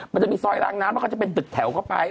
มันจะมีซอยรางน้ำมันก็จะเป็นตึกแถวเข้าไป